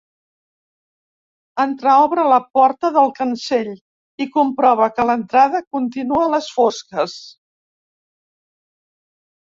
Entreobre la porta del cancell i comprova que l'entrada continua a les fosques.